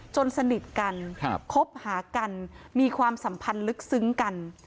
สนิทกันคบหากันมีความสัมพันธ์ลึกซึ้งกัน